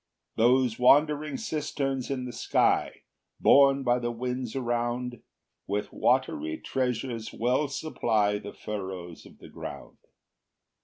4 Those wandering cisterns in the sky, Borne by the winds around, With watery treasures well supply The furrows of the ground.